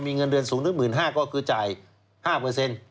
มีเงินเดือนสูงทุก๑๕ล้านก็คือจ่าย๕เปอร์เซนต์